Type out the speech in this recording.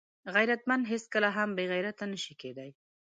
غیرتمند هیڅکله هم بېغیرته نه شي کېدای